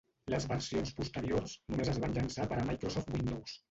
Les versions posteriors només es van llançar per a Microsoft Windows.